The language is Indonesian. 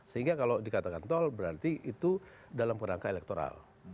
sehingga kalau dikatakan tol berarti itu dalam kerangka elektoral